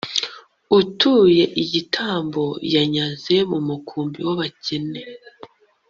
utuye igitambo yanyaze mu mukumbi w'abakene